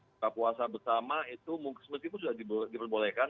buka puasa bersama itu mungkin itu sudah diperbolehkan